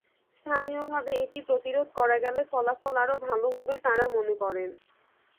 স্থানীয়ভাবে এটি প্রতিরোধ করা গেলে ফলাফল আরও ভালো হবে তাঁরা মনে করেন।